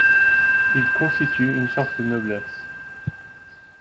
Ils constituent une sorte de noblesse.